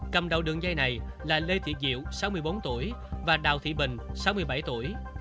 cầm đầu đường dây này là lê thị diệu sáu mươi bốn tuổi và đào thị bình sáu mươi bảy tuổi